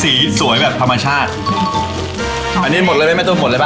สีสวยแบบธรรมชาติอ๋ออันนี้หมดเลยไหมเจ้าหมดเลยปะ